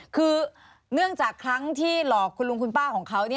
คือเนื่องจากครั้งที่หลอกคุณลุงคุณป้าของเขา